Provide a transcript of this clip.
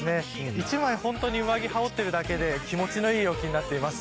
１枚、上着を羽織ってるだけで気持ちのいい陽気になっています。